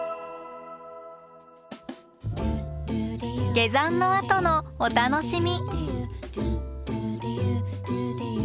下山のあとのお楽しみ。